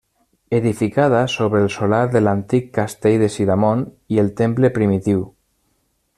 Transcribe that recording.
Edificada sobre el solar de l'antic castell de Sidamon i el temple primitiu.